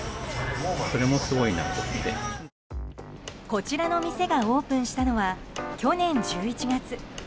こちらの店がオープンしたのは去年１１月。